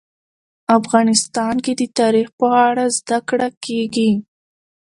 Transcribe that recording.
افغانستان کې د تاریخ په اړه زده کړه کېږي.